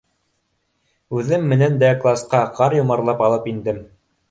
Үҙем менән дә класҡа ҡар йомарлап алып индем.